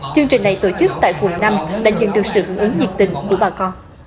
chương trình này tổ chức tại quận năm đã nhận được sự hưởng ứng nhiệt tình của bà con